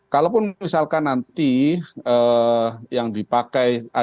kalaupun misalkan nanti yang dipakai adalah